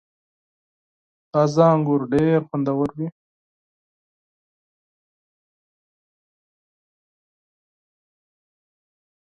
• تازه انګور ډېر خوندور وي.